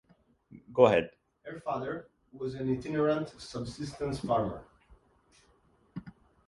Her father was an itinerant subsistence farmer.